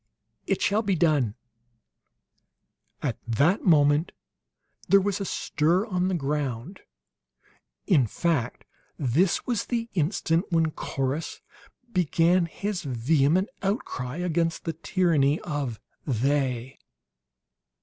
"It shall be done!" At that moment there was a stir on the ground. In fact, this was the instant when Corrus began his vehement outcry against the tyranny of "They."